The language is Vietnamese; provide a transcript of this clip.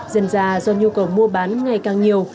dần ra do nhu cầu mua bán ngày càng nhiều